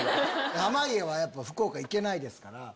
濱家は福岡行けないですから。